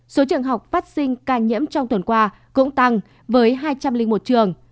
số trường học phát sinh ca nhiễm trong tuần qua cũng tăng với hai trăm linh một trường